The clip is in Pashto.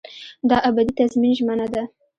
دا ابدي تضمین ژمنه ده.